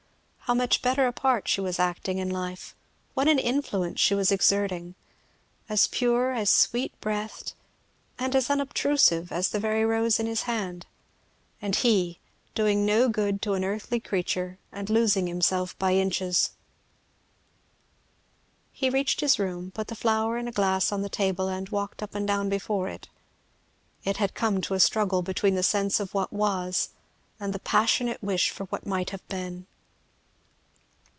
How much better a part she was acting in life what an influence she was exerting, as pure, as sweet breathed, and as unobtrusive, as the very rose in his hand. And he doing no good to an earthly creature and losing himself by inches. He reached his room, put the flower in a glass on the table, and walked up and down before it. It had come to a struggle between the sense of what was and the passionate wish for what might have been.